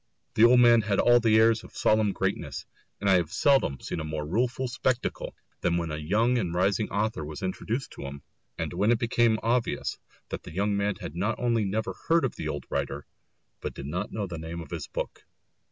The old man had all the airs of solemn greatness, and I have seldom seen a more rueful spectacle than when a young and rising author was introduced to him, and when it became obvious that the young man had not only never heard of the old writer, but did not know the name of his book.